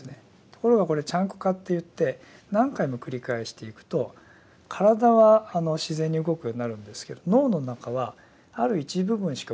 ところがこれチャンク化っていって何回も繰り返していくと体は自然に動くようになるんですけど脳の中はある一部分しか動かなくなるっていう。